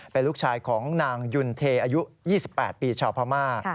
เป็นลูกชายของนางยุนเทอายุ๒๘ปีชาวพม่า